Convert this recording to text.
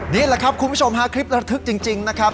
นี่แหละครับคุณผู้ชมฮะคลิประทึกจริงนะครับ